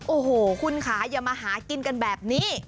โอ้โหคุณค่ะอย่ามาหากินกันแบบนี้